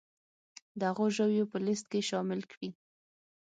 د هغو ژویو په لیست کې شامل کړي